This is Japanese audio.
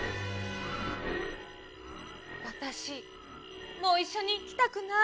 わたしもういっしょにいきたくない。